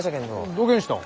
どげんした？